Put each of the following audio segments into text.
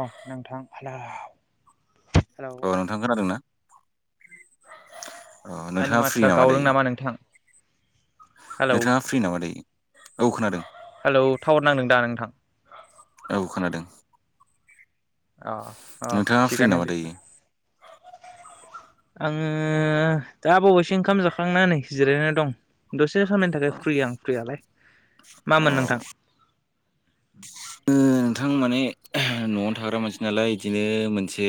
औ नोंथां hello hello अ नोंथां खोनादोंना अ आंनि नोंथाङा फ्रि माथोआ गावदों दायो नामा नोंथां? हेलौ नोंथाङा फ्रि नामा दायो? औ खोनादों हेलौ टावार नांदों दा नोंथां? औ खोनादों। अ अ नोंथाङा फ्रि थिगानो नामा बिदिबा दायो आङो दा बावैसो ओंखाम जाखांनानै जिरायना दं दसे से समनि थाखाय फ्रि आं फ्रियालाय अ मामोन नोंथां ओ नोंथां माने न'आव थाग्रा मानसि नालाय इदिनो मोनसे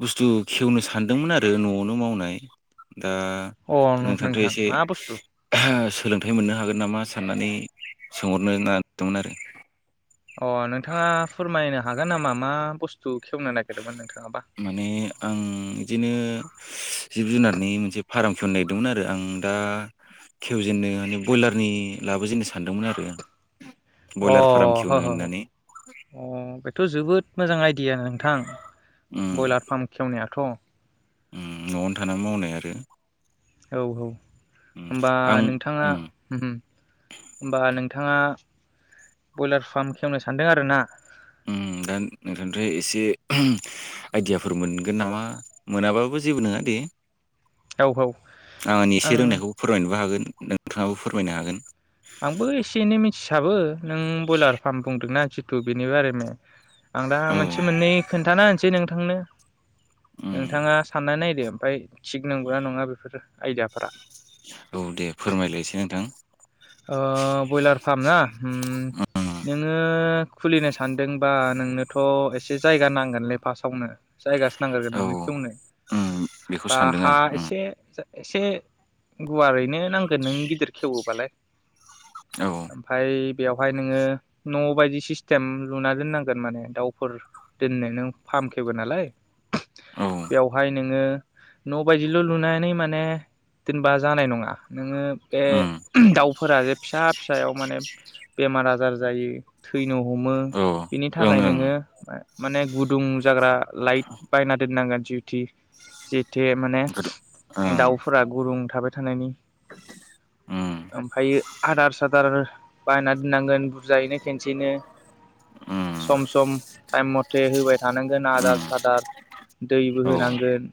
बुस्थु खेवनो सानदोंमोन आरो न'आवनो मावनाय। दा अ नोंथांथ' नोंथां एसे मा बुस्थु सोलोंथाइ मोननो हागोन नामा साननानै सोंहरनो ना दोंमोन आरो अ नोंथाङा फोरमायनो हागोन नामा मा बुस्थु खेवनो नागिरदोंमोन नोंथाङाबा माने आं इदिनो जिब जुनारनि मोनसे फाराम खुलिनागिरदोंमोन आरो आं दा खेवजेननो माने बयलारनि लाबोजेननो सानदोंमोन आरो अ बयलार फाराम खेवनो होननानै थ' जबोद मोजां आय दिया नोंथां उम बयलार फार्म खेवनाया थ' उम न'आवनो थाना मावनाय आरो औ औ उम होमबा आं नोंथाङा उम उमहो होमबा नों थाङा बयलार फार्म खेवनो सानदों आरो ना। उम दा नोंथांनिफ्राय एसे उम आइदियाफोर मोनगोन नामा मोनाबाबो जेबो नङा दे। औ औ आंनि आं एसे रोंनायखौ फोरमायनोबो हागोन नोंथाङाबो फोरमायनो हागोन आंबो एसे एनै मिथिसाबो नों बयलार फार्म बुंदोंना थ बेनि बारै नो आं दा औ मोनसे मोननै खोन्थाना होनसै नों थांनो उम नोंथाङा सानना नायदो ओमफाय थिग नंगौ नङा बेफोरो आयदियाफोरा औ दे फोरमायलाय एसे नोंथां। ओ बयलार फार्म ना उम उम नोङो खुलिनो सानदोंबा नोंनोथ' एसे जायगा नांगोनलै फासावनो जायगासो नांग्रगोन औ नोंनो खेवनो उम बेखौ बा सानदों हा आं उम एसे एसे गुवारैनो नांगोन नों गिदिर खेवोबालाय औ ओमफाय बेवहाय नोङो न' बायदि सिस्टेम लुना दोननांगोन माने दाउफोर दोननो नों फार्म खेवबाय नालाय औ बेवहाय नोङो न' बायदिल' लुनानै माने दोनबा जानाय नङा नोङो बे [inaudible] फोराजे फिसा फिसायाव माने बेमार आजार जायो थै हमो औ बेनि ओं थाखाय नोङो। ओं माने गुदुं जाग्रा लाइट बायना दोननांगोन उथि जेते माने गोदो ओं दाउफोरा गुदुं थाबाय थानायनि उम हायो आदार सादार बायना दोननांगोन बुरजायैनो खेनसेयैनो उम सम सम टाइम मथे होबाय थानांगोन आदार उम सादार दैबो औ होनांगोन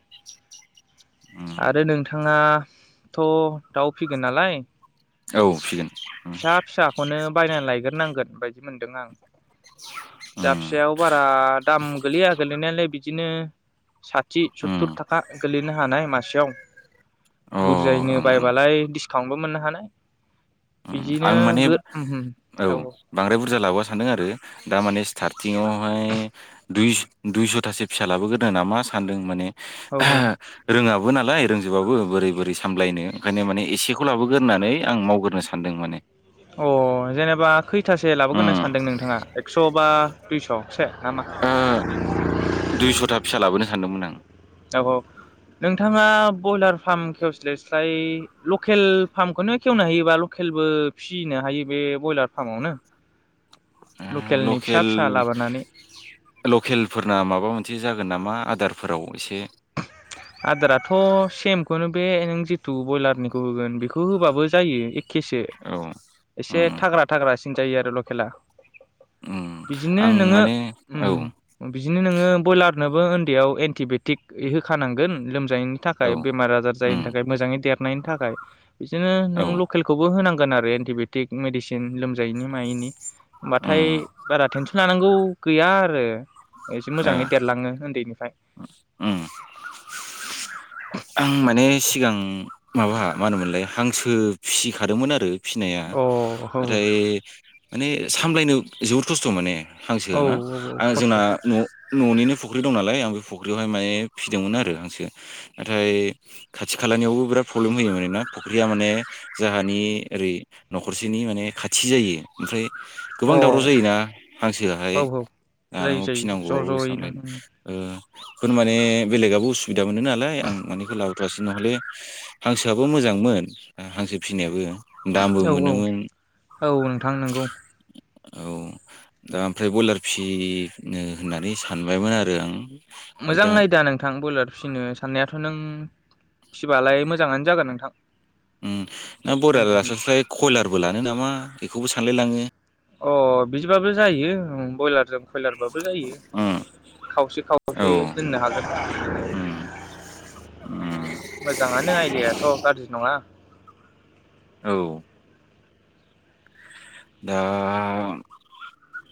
उम आरो नोंथाङाथ दाउ फिगोन नालाय। औ फिगोन उम फिसा फिसाखौनो बायनानै लायग्रोनांगोन बायदि मोनदों आं फिसा उम फिसायाव बारा दाम गोलैया गोलैनायालाय बिदिनो साथि सतथुर उम थाखा गोलैनो हानाय मासेयाव अ ओं बुरजायैनो ओं बायबालाय डिसकाउन्टबो मोननो हानाय ओम बिदिनो आं माने गो औ बांद्राय बुरजा लाबोया सान- सानदों आरो दा माने स्टार्टिंआवहाय द दुइसथासो फिसा लाबोग्रोनो नामा सानदों माने। औ औ रोङाब्ला। नालाय रोंजोबाबो बोरै-बोरै सामलायनो ओंखायनो माने एसेखौ लाबोगोरोन होनानै आं मावग्रोनो सानो। सान्दों माने। अ जेनेबा खैथासो लाबोगोनो उम सानदों नोंथाङा एक्स बा। दुइस ओ दुइसथा फिसा लाबोनो सानदोंमोन आं औ नोंथाङा ब्रयलार फार्म खेवस्लायस्लाय लकेल फार्मखौनो खेवनो हायोबा लकेलबो फिनो हायो बे ब्रयलार फार्मावनो। उम लकेलनि फिसा लकेल फिसा लाबोनानै लकेलफोरना माबा मोनसे जागोन नामा। आदारफोराव एसे। आदाराथ सेम बेखौनो बे नों जिथु ब्रयलारनिखौ होगोन बेखौ। खौ होबाबो जायो एखेसो औ एसे उम थाग्रा थाग्रा जायो आरो लखेला उम बिदिनो आं नोङो माने औ ओ बिदिनो नोङो ब्रयलार। नोबो उन्दैयाव एन्टिबायटिक हो। खानांगोन लोम। जायैनि औ थाखाय बेमार आजार उम जायनि थाखाय मोजाङै देर। नायनि थाखाय बिदिनो नों औ लकेलखौबो होनांगौ गोन आरो एन्टिबेटिक मेडिसिन लोमजायैनि मायैनि होमबाथाय उम बारा टेनसन लानांगौ गैया आरो एसे ओ मोजाङै देरलाङो उन्दैनिफ्राय उम आं माने सिगां माबा मा होनोमोनलाय हांसो फिसिखादोंमोन आरो फिसिनाया अ औ औ [unintelligible] माने सामलायनो जोबोद खस्थ' माने औ हांसोआ ना आं जोंना खस्थ'थ' अ न'‌-न'निनो फुख्रि दं नालाय आं बे फुख्रियावहाय माहाय फिसिदोंमोन आरो हांसो। नाथाय खाथि खालानियावबो बिराद प्रब्लेम होयो आरो ना फुख्रिया माने जोंहानि ओरै न'खरसेनि माने खाथि जायो ओमफ्राय। गोबां दावराव औ जायोना हांसोआहाय औ जायो जानांगौ जायो ज' फिसिनांगौआबो ज'यैनो सामलाय ओ। बे खौनो माने बेलेगआबो उसुबिदा मोनो नालाय। आं मानि इखौ लाबोथवासै खोमालै हांसोआबो मोजांमोन ओ हांसो फिसिनायाबो। औ-औ औ नोंथां नोंगौ। औ दा ओमफ्राय बयलार फिसि नो होननानै सानबायमोन आरो आं। दा मोजां आयदा नोंथां ब्रयलार फिसिनो साननायाथ' नों फिसिबालाय मोजाङानो जागोन नोंथां। ओम ना ब्रयलार लास्लाय स्लाय कयलारबो लानो नामा? बेखौबो सानलायलाङो। अ बिदिबाबो जायो ओम ब्रयलारजों। कयलारबाबो जायो उम खावसे औ खावसे दोननो हागोन उम उम मोजाङानो आयदियायाथ' गाज्रि नङा। औ दा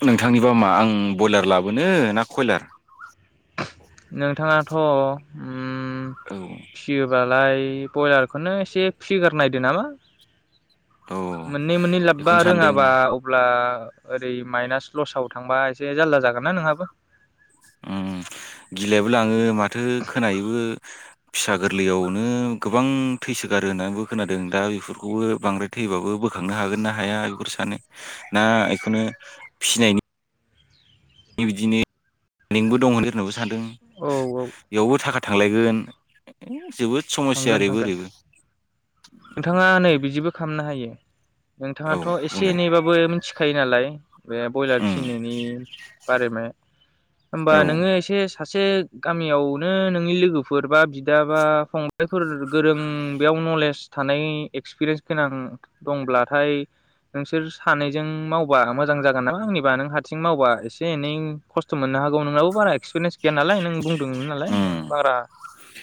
नोंथांनिबा मा आं बयलार लाबोनो ना कयलार? नोंथाङाथ'। औ अब्लालाय ब्रयलारखौनो एसे फिसिगारनायदो नामा? औ मोननै मोननै लाब्बा बेखौनो सानदों रोङाबा अब्ला। ओरै माइनास लसाव थांबा एसे जालला जागोनना नोंहाबो। ओम गिलायबो लाङो माथो खोनायोबो फिसा गोरलैयावनो गोबां थैसोगारो होननानैबो खोनादों दा बेफोरखौबो बांद्राय थैबाबो बोखांनो हागोन ना हाया बेखौ सानो ना बेखौनो फिसिनायनि। बिदिनो लिंकबो दं होनो सोरनाबा। औ [unintelligible] औ बेयावबो थाखा थांलायगोन जोबोद। समस्या थांगोन ओरैबो थांगोन ओरैबो नोंथाङा नै बिदिबो। खामनो हायो। औ नोंथाङाथ' एसे बुंलाय एनैबाबो मि खायो नालाय। बे बयलार उम फिसिनायनि बारै नों ओमबा औ नोङो एसे सासे। गामियावनो नोंनि लोगोफोर बा बिदा बा फं फोर गोरों बेयाव नलेज थानाय एक्सपिरियेन्स गोनां दंब्लाथाय नोंसोर सानैजों मावबा मोजां जागोन नालाय आंनिबा नों हारसिं मावबा एसे एनै खस्थ' मोननो हागौ नोंनावाबो बारा एक्सपिरिेन्स गैया नालाय नों बुंदों नालाय नों उम बारा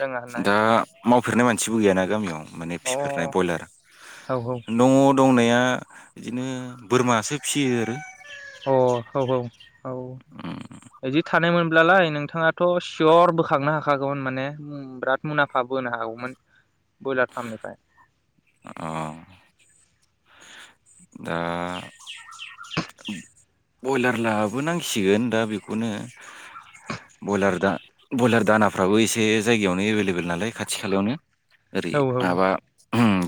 रोङा होननानै। दा मावफेरनाय मानसिबो गैयाना गामियाव। माने अ औ फिफेरनाय ब्रयलार औ न'। दंनाया बिदिनो बोरमासो फियो आरो। अ औ उम अब्लालाय नोंथाङाथ' सियर बोखांनो हाखागौमोन माने बिराद मुलामफा बोनो हागौमोन ब्रयलार फार्मनिफ्राय अ [unintelligible] दा बयलार लाबो नांसिगोन दा बेखौनो बयलार दा ब्रयलार दानाफ्राबो एसे जायगायावनो एभेलेबेल नालाय खाथि खालायावनो ओरै औ औ औ माबा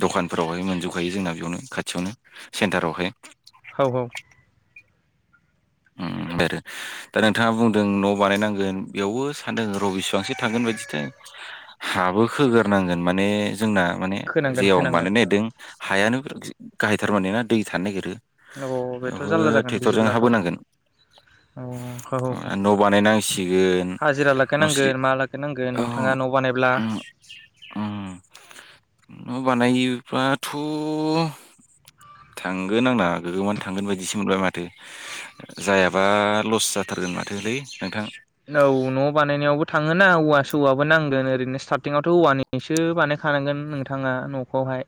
दखानफोरावहाय मोनजोबखायो जोंना बेयावनो खाथियावनो सेन्टारावहाय औ उम ब आरो दा नोंथाङा बुंदों न' बानायनांगोन बेयावबो सानदों र बिसेबांसो थांगोन बायदिथाय हाबो खोगोरनांगोन माने जोंना माने खोनांगोन जेयाव मानो खोनांगोन नागिरदों हायानो बेफोर गाहायथार माने ना दै थानो नागिरो औ बेथ' बेयावबो जारला जागोन ट्रेक्टरजों हा बिदिब्लाथ' बोनांगोन औ नंखागौ न' बानायनांसिगोन हाजिरा मुस्रि लागायनांगोन मा लागायनांगोन औ नोंथाङा न' बानायब्ला उम उम न' बानायोब्लाथ' थांगोन आंना गोगोमानो थांगोन बदिसो मोनबाय माथो जायाबा लस जाथारगोन माथोलै नोंथां औ न' बानायनायावबो थाङोना औवा सौवाबो नांगोन ओरैनो स्टारटिंआवथ औवानिसो बानायखानांगोन नोंथाङा न'खौहाय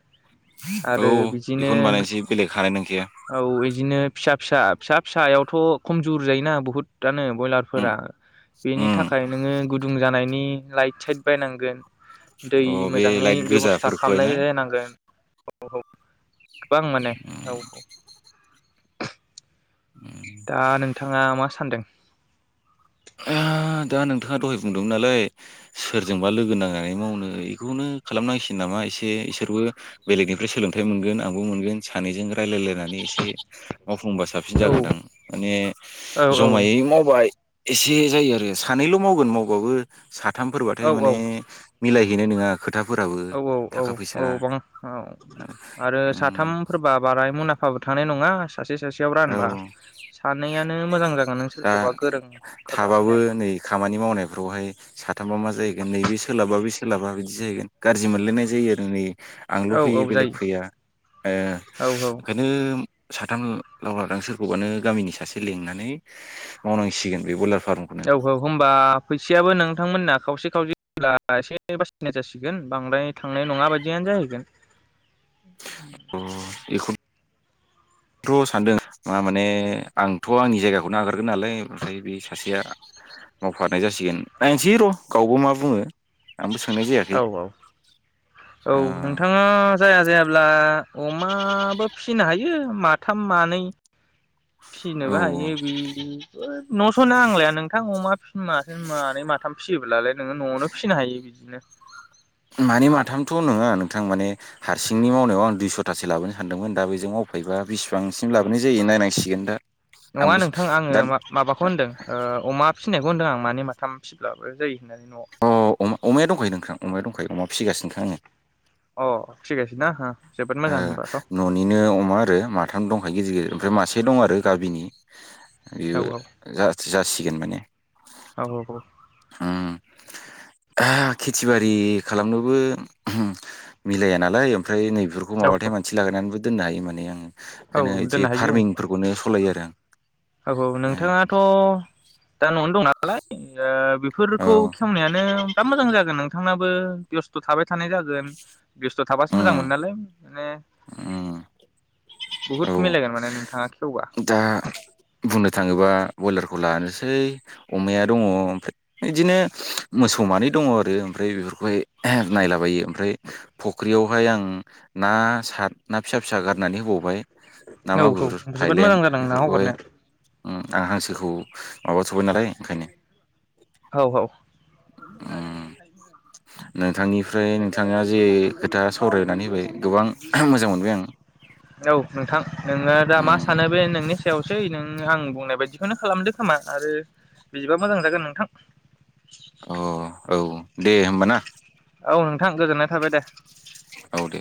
औ आरो बिदिनो बेखौनो बानायनोसै बेलेग हानाय नंखाया औ बिदिनो फिसा फिसा फिसा फिसायावथ' खमजुर जायोना बहुतआनो उम ब्रयलारफोरा बेनि उम थाखाय नोङो गुदुं जानायनि लाइट साइट बायनांगोन दै अ बे मोजाङै लाइट बेब'स्था गोजाफोरखौहाय ना खालामनाय जा नांगोन औ औ गोबां माने औ औ उ दा नोंथाङा मा सानदों? दा नोंथाङा दहाय बुंदोंमोन नालाय सोरजोंबा लोगो नांनानै मावनो बेखौनो खालामनांसिगोन नामा एसे इसोरबो बेलेगनिफ्राय सोलोंथाइ मोनगोन आंबो मोनगोन सानैजों रायलायलायनानै एसे मावफुंबा साबसिन औ जागोनदां माने औ औ जमायै मावबायो एसे जायो आरो सानैल' मावगोन मावबाबो औ साथामफोरबाथाय माने मिलायहैनाय नङा खोथाफोराबो औ औ औ थाखा औ फैसा बां औ आरो उम साथामफोरबा बाराय मलामफाबो थानायांनाय नङा [unintelligible] रानबा औ सानैयानो मोजां जागोन नों दा सोरखौबा गोरोंफोर थाबाबो लाफैनाया नै खामानि मावनायफ्रावहाय साथामा मा जाहैगोन नैबे सोलाबा बे सोलाबा बिदि बिदि जाहैगोन गाज्रि मोनलायनाय जायो आरो नै आंल' औ औ फैयो बेलेग जायो फैया ओ औ बेखायनो साथाम लाव लादां सोरखौबानो गामिनि सासे लेंनानै मावनांसिगोन बे ब्रयलार औ औ होमबा फैसायाबो नोंथांमोनना खावसे खावसेब्ला एसे बासिनाय जासिगोन बांद्राय थांनाय नङा बायदियानो जाहैगोन। [inaudible] बेखौ थ' सानदों मा माने आंथ' आंनि जायगाखौनो नागारगोन नालाय ओमफ्राय बे सासेया मावफानाय जासिगोन नायसै र' गावबो मा बुङो। आंबो सोंनाय जायाखै औ औ औ नोंथाङा जाया जायाब्ला। अमाबो फिनो हायो माथाम मानै ओ औ फिसिनोबो हायो बे न' स' नांलाया नोंथां अमा माथो मानै माथाम फियोब्ला लाय नोङो न'आवनो फिनो हायो बिदिनो मानै माथामथ' नोङा नोंथां माने हारसिंनि मावनायाव आं दुइस'थासो लाबोनो सानदोंमोन दा बेजों मावफायोबा बिसिबांसिम लाबोनाय जायो नायनांसिगोन दा। नङा आंबो नोंथां दा आङो मा-माबाखौ होनदों ओ अमा फि फिनायखौ होनदों आं माने माथाम फिब्लाबो जायो। होननानै न'आव अ अ-अमाया दंखायो नोंथां अमाया दंखायो? फिसिगासिनोखा आङो। अ फिगासिनो हो जोबोद मोजां होनबाथ' औ ओ न'निनो अमा आरो माथाम दंखायो गिदिर गिदिर ओमफ्राय मासे दं आरो गामिनि औ बियो जाथ जाथ सिगोन माने औ औ उम [unintelligible] खेथि बारि खालामनोबो मिलाया नालाय ओमफ्राय नैबे खौ औ माबाथाय मानसि लागायनानै दोननो हायो माने आङो। औ बेखायनो इदि दोननो हायो फार्मिंफोरखौनो सालायो आरो [unintelligible] औ औ आं नोंथाङाथ' दा न'आवनो दं नालाय ओ ओ बेफोरखौ औ खेवनायानो दा मोजां जागोन नोंथांनाबो बेस्थ' थाबाय थानाय जागोन बेस्थ' थाबासो मोजां उम मोनो नालाय। माने उम बहुत औ मिलायगोन माने नों [unintelligible] दा बुंनो थाङोबा बयलारखौ लानोसै अमाया दङ ओमफ्राय बिदिनो मोसौ मानै दङ आरो ओमफ्राय बेफोरखौहाय नायलाबायो ओमफ्राय फख्रियावहाय आं ना -ना फिसा फिसा गारनानै होबावबाय। ना औ मागुर जोबोद मोजां जादों ना हगारनाया। ओ आं हांसोखौ माबाथ'बाय नालाय ओंखायनो औ औ [unintelligible] उम नोंथांनिफ्राय नोंथाङा जे खोथा सावरायनानै होबाय गोबां मोजां मोनबाय आं नोङो दा मा उम सानो बे नोंनि सायावसै नों। आं बुंनाय बायदिखौनो खालामदो खोमा आरो बिदिबा मोजां जागोन नोंथां। अ औ। दे होमबा ना। औ नोंथां गोजोननाय थाबाय दे। औ दे।